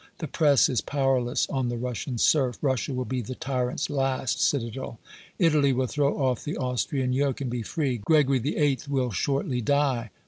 The press is powerless on the Russian serf. Russia will be the tyrant's last citadel. Italy will throw off the Austrian yoke and be free. Gregory XVIII. will shortly die.